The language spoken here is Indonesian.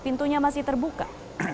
pintunya masih terbuka